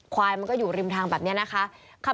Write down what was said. ควายมันก็อยู่ริมทางแบบนี้นะคะ